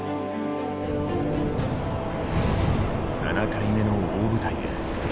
７回目の大舞台へ。